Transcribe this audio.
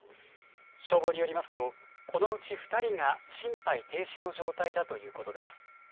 消防によりますとこのうち２人が心肺停止の状態だということです。